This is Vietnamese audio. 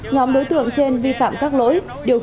ngóm đối tượng trên vi phạm các lỗi